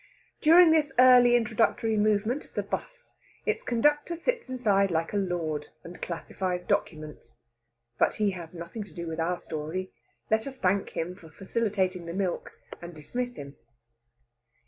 During this early introductory movement of the 'bus its conductor sits inside like a lord, and classifies documents. But he has nothing to do with our story. Let us thank him for facilitating the milk, and dismiss him.